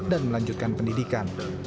dan melanjutkan pendidikan